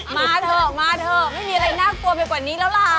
มาเถอะมาเถอะไม่มีอะไรน่ากลัวไปกว่านี้แล้วล่ะ